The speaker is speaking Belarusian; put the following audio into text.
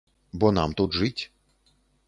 Бо нам тут жыць.